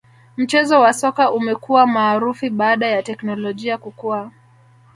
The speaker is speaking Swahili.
mchezo wa soka umekua maarufi baada ya teknolojia kukua